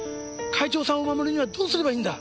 会長さんを守るにはどうすればいいんだ？